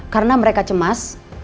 karena mereka cemas